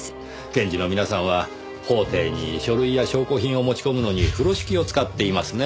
検事の皆さんは法廷に書類や証拠品を持ち込むのに風呂敷を使っていますね。